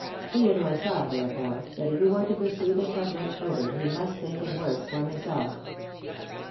Theodore saw, therefore, that if he were to pursue the subject further he must think and work for himself.